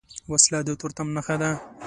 وسله د تورتم نښه ده